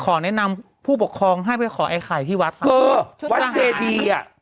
ขอแนะนำผู้ปกครองให้ไปขอไอ้ไข่ที่วัดค่ะเออวัดเจดีอ่ะ